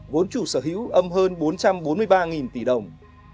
vốn chủ sở hữu âm hơn bốn trăm bốn mươi ba tỷ đồng